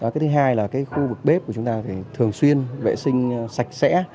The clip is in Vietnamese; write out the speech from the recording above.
cái thứ hai là cái khu vực bếp của chúng ta phải thường xuyên vệ sinh sạch sẽ